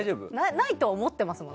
ないとは思ってますもん